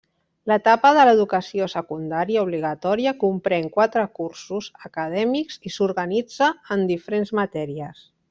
L'etapa de l'educació secundària obligatòria comprèn quatre cursos acadèmics i s'organitza en diferents matèries.